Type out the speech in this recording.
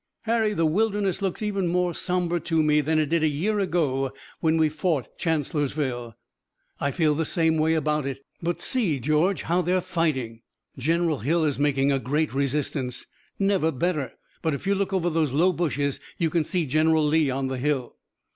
Harry, the Wilderness looks even more somber to me than it did a year ago when we fought Chancellorsville." "I feel the same way about it. But see, George, how they're fighting! General Hill is making a great resistance!" "Never better. But if you look over those low bushes you can see General Lee on the hill."